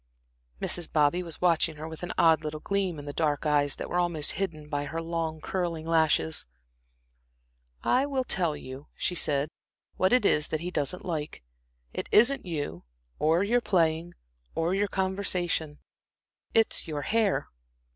Mrs. Bobby was watching her with an odd little gleam in the dark eyes that were almost hidden by her long, curling lashes. "I will tell you," she said, "what it is that he doesn't like. It isn't you, or your playing, or your conversation; it's your hair."